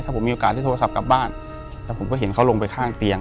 ผมมีโอกาสได้โทรศัพท์กลับบ้านแล้วผมก็เห็นเขาลงไปข้างเตียง